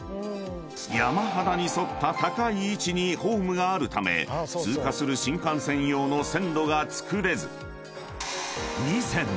［山肌に沿った高い位置にホームがあるため通過する新幹線用の線路が造れず］